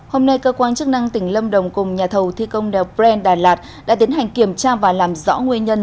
hôm nay cơ quan chức năng tỉnh lâm đồng cùng nhà thầu thi công đèo brand đà lạt đã tiến hành kiểm tra và làm rõ nguyên nhân